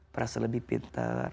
merasa lebih pintar